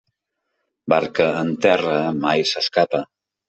Barca en terra mai s'escapa.